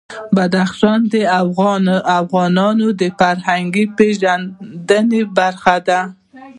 بدخشان د افغانانو د فرهنګي پیژندنې برخه ده.